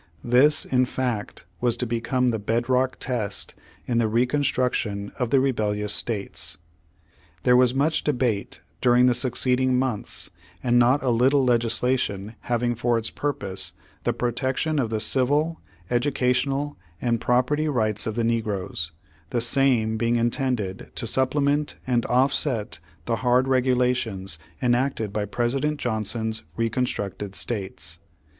This, in fact, was to become the bed rock test in the Reconstruction of the rebellious states. There was much debate during the succeeding months, and not a little legislation having for its Page One Htmdred seventy five purpose the protection of the civil, educational, and property rights of the negroes, the same being intended to supplement and offset the hard regula tions enacted by President Johnson's reconstruc ted states.